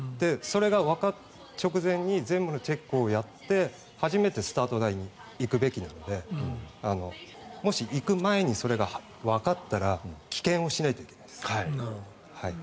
それが直前に全部のチェックをやって初めてスタート台に行くべきなのでもし、行く前にそれがわかったら棄権をしないといけないです。